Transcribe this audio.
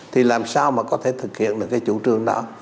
thì làm sao mà có thể thực hiện được cái chủ trương đó